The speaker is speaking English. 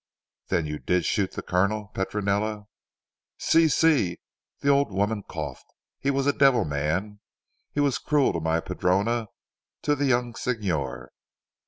"Then you did shoot the Colonel, Petronella?" "Si! Si!" the old woman coughed, "he was a devil man. He was cruel to my padrona, to the young Signor.